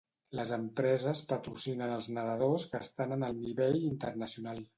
Les empreses patrocinen als nedadors que estan en el nivell internacional.